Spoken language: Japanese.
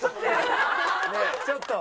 ちょっと。